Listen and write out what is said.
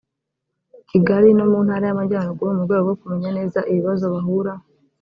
kigali no mu ntara y amajyarugu mu rwego rwo kumenya neza ibibazo bahura